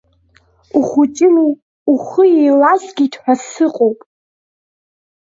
Ухәыҷыми, ухы еилазгеит ҳәа сыҟоуп.